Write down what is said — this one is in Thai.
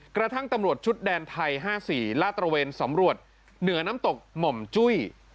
กระทั่งตำรวจชุดแดนไทย๕๔ลาดตระเวนสำรวจเหนือน้ำตกหม่อมจุ้ย